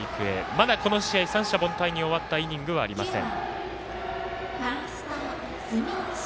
まだこの試合、三者凡退に終わったイニングはありません。